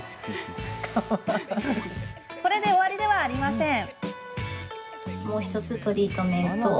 これで終わりではありません。